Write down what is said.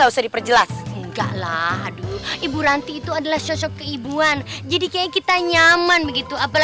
kamu sudah memperlakukan sekar dengan tidak adil